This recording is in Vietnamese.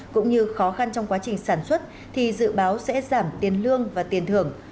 cũng như khó khăn trong quá trình sản xuất thì dự báo sẽ giảm tiền lương và tiền thưởng